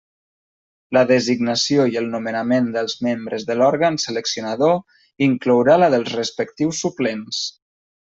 La designació i el nomenament dels membres de l'òrgan seleccionador inclourà la dels respectius suplents.